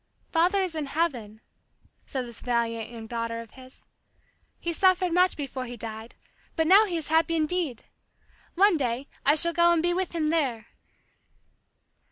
"Father is in heaven," said this valiant, young daughter of his. "He suffered much before he died, but now he is happy indeed! One day I shall go and be with him there."